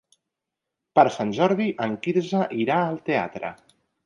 Per Sant Jordi en Quirze irà al teatre.